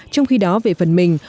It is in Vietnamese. trong khi đó về phần mình